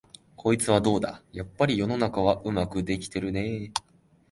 こいつはどうだ、やっぱり世の中はうまくできてるねえ、